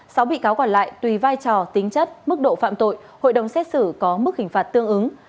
sáu bị cáo còn lại tùy vai trò tính chất mức độ phạm tội hội đồng xét xử có mức hình phạt tương ứng